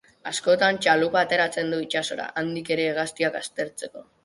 Askotan, txalupa ateratzen du itsasora, handik ere hegaztiak aztertzeko.